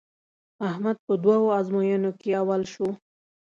احمد په دوو ازموینو کې اول شو.